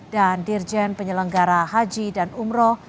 dan dirjen penyelenggara haji dan umroh